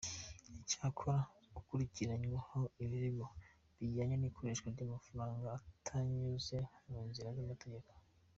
Cyakora akurikiranyweho ibirego bijyanye n'ikoreshwa ry'amafaranga atanyuze mu nzira z'amategeko.